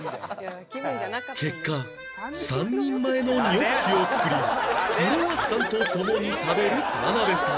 結果３人前のニョッキを作りクロワッサンと共に食べる田辺さん